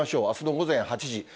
あすの午前８時。